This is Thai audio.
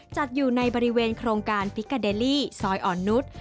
จัดอยู่ในบริเวณโครงการปิกาเดลี่ซอยอ่อนนุษย์